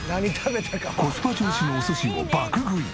コスパ重視のお寿司を爆食い！